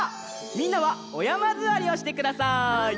みんなはおやまずわりをしてください。